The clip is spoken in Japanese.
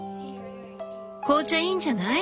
紅茶いいんじゃない？